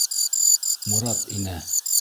Морат инә.